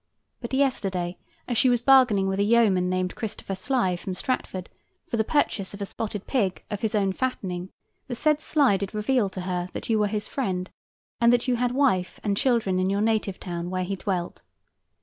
But yesterday, as she was bargaining with a yeoman named Christopher Sly, from Stratford, for the purchase of a spotted pig of his own fattening, the said Sly did reveal to her that you were his friend, and that you had wife and children in your native town where he dwelt.